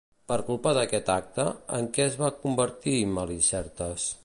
Per culpa d'aquest acte, en què es va convertir Melicertes?